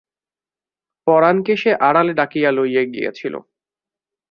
পরাণকে সে আড়ালে ডাকিয়া লইয়া গিয়াছিল।